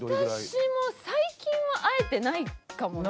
私も最近は会えてないかもね。